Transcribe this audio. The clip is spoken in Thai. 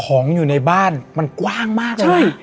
และวันนี้แขกรับเชิญที่จะมาเชิญที่เรา